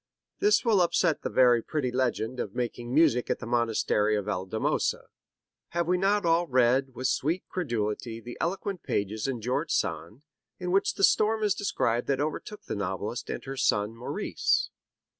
This will upset the very pretty legend of music making at the monastery of Valdemosa. Have we not all read with sweet credulity the eloquent pages in George Sand in which the storm is described that overtook the novelist and her son Maurice?